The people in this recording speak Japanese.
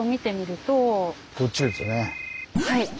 はい。